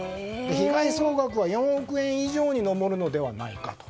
被害総額は４億円以上に上るのではないかと。